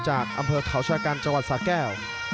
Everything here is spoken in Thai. จากอำเภอเขาชะกันจังหวัดสาแก้ว